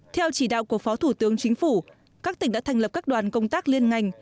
theo chỉ đạo của phó thủ tướng chính phủ các tỉnh đã thành lập các đoàn công tác liên ngành